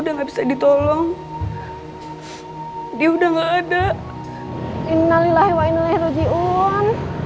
dia udah gak ada